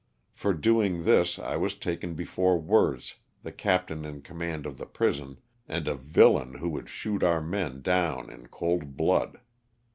For doing this, I was taken before Werz, the captain in command of the prison, and a villain who would shoot our men down in cold blood.